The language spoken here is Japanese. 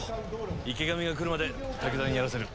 池上が来るまで滝沢にやらせる。